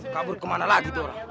kabur kemana lagi tuh orang